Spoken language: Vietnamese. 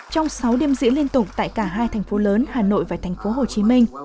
trong sáu đêm diễn liên tục tại cả hai thành phố lớn hà nội và thành phố hồ chí minh